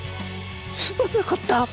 すまなかった！